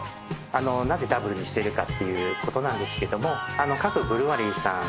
なぜダブルにしてるかっていうことなんですけども各ブリュアリーさん